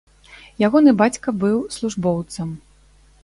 Ягоны бацька быў службоўцам.